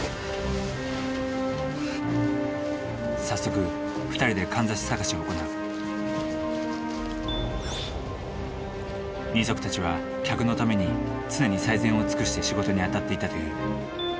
早速２人でかんざし捜しを行う人足たちは客のために常に最善を尽くして仕事に当たっていたという。